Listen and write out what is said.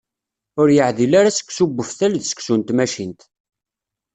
Ur yeɛdil ara seksu n uftal d seksu n tmacint.